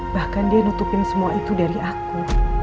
bahkan dia nutupin semua itu dari aku